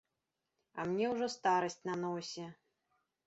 А мне ўжо старасць на носе.